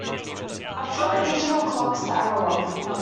I prefer digital clocks to analog.